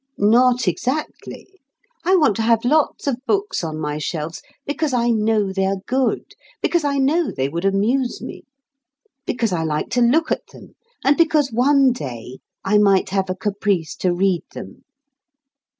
Not exactly! I want to have lots of books on my shelves because I know they are good, because I know they would amuse me, because I like to look at them, and because one day I might have a caprice to read them.